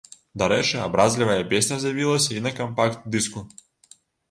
Дарэчы, абразлівая песня з'явілася і на кампакт-дыску.